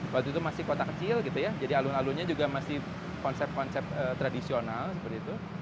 waktu itu masih kota kecil gitu ya jadi alun alunnya juga masih konsep konsep tradisional seperti itu